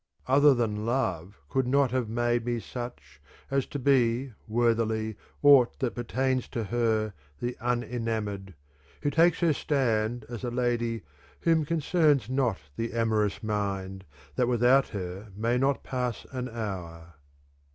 V Other than love could not have made me such as to be, worthily, aught that pertains to her, the unen amoured, Who takes her stand as a lady whom concerns not the amorous mind that without her may not pass an hour.